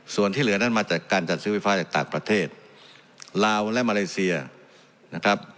ส่วนที่เหลือนั้นมาจากการจัดซื้อไฟฟ้าจากต่างประเทศลาวและมาเลเซียนะครับ